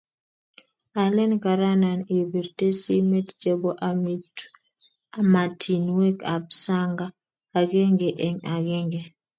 alen karan ipirte simet chebo ematinwek ab sanga agenge eng agenge